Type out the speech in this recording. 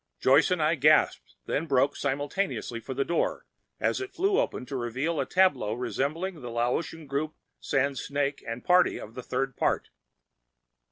Joyce and I gasped, then broke simultaneously for the door as it flew open to reveal a tableau resembling the Laocoon group sans snake and party of the third part.